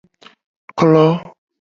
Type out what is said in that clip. Klo.